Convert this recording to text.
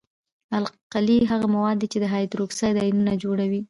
القلي هغه مواد دي چې هایدروکساید آیونونه جوړوي.